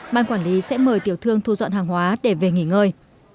ban quản lý sẽ mời tiểu thương thu dọn hàng hóa để về nghỉ ngơi